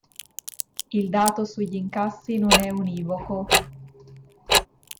Il dato sugli incassi non è univoco.